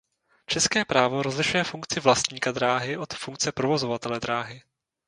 České právo rozlišuje funkci vlastníka dráhy od funkce provozovatele dráhy.